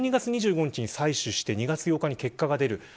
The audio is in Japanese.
１２月２５日に採取して２月８日に結果が出る。